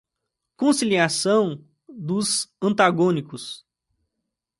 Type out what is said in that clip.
Conciliação dos antagônicos